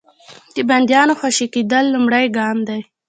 د بندیانو خوشي کېدل لومړی ګام دی.